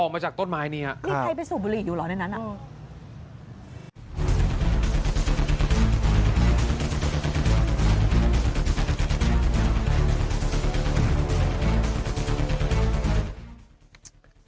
อ่อไม่มีอะไรอ่ะนี่ใครไปสูบบุหรี่อยู่หรอในนั้นอ่ะค่ะเออเออออกมาจากต้นไม้นี่